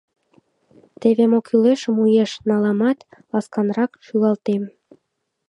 Теве мо кӱлешым уэш наламат, ласканрак шӱлалтем.